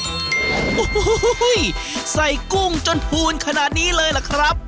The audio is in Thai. โอ้โหใส่กุ้งจนพูนขนาดนี้เลยล่ะครับ